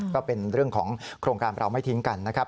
ก็เป็นเรื่องของโครงการเราไม่ทิ้งกันนะครับ